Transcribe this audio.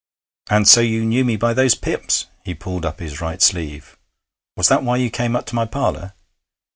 And so you knew me by those pips.' He pulled up his right sleeve. 'Was that why you came up to my parlour?'